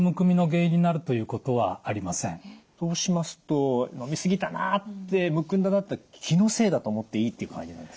そうしますと飲み過ぎたなってむくんだなって気のせいだと思っていいっていう感じなんですかね？